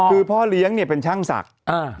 คือพ่อเลี้ยงเนี่ยเป็นช่างศักดิ์